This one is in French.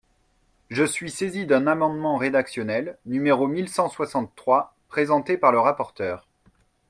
Je suis saisi d’un amendement rédactionnel, numéro mille cent soixante-trois, présenté par le rapporteur.